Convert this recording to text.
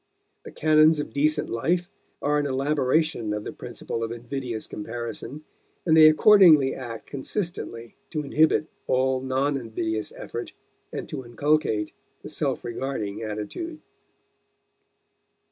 The canons of decent life are an elaboration of the principle of invidious comparison, and they accordingly act consistently to inhibit all non invidious effort and to inculcate the self regarding attitude.